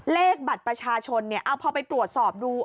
เลขบัตรประชาชนเนี่ยเอาพอไปตรวจสอบดู